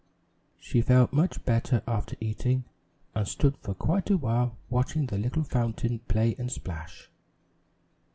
She felt much better after eating and stood for quite a while watching the little fountain play and splash.